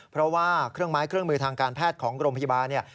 เพราะว่าเครื่องไม้เครื่องมือทางการแพทย์ของโรงพยาบาลเนี่ย